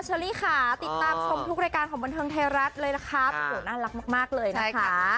ติดตามทุก้วงทุกรายการของบนเทือนไทยรัฐเลยครับค่ะ